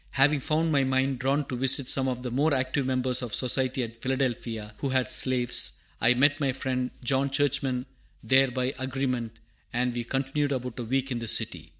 Having found my mind drawn to visit some of the more active members of society at Philadelphia who had slaves, I met my friend John Churchman there by agreement, and we continued about a week in the city.